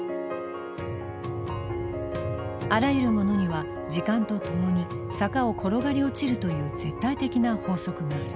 あらゆるものには時間とともに坂を転がり落ちるという絶対的な法則がある。